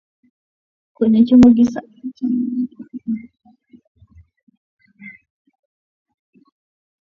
kwenye chombo kisafi changanya unga wa viazi lishe